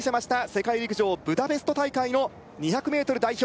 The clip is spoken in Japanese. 世界陸上ブダペスト大会の２００ｍ代表